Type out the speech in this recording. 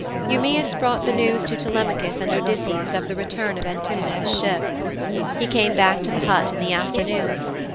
Eumæus brought the news to Telemachus and Odysseus of the return of Antinous' ship. He came back to the hut in the afternoon.